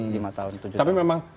lima tahun tujuh tahun tapi memang